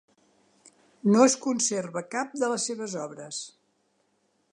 No es conserva cap de les seves obres.